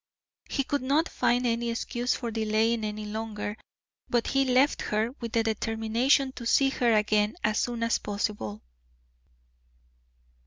He could not find any excuse for delaying any longer, but he left her with the determination to see her again as soon as possible.